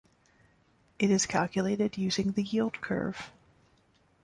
It is calculated using the yield curve.